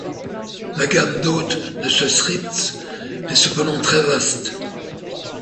La gamme d'hôtes de ce thrips est cependant très vaste.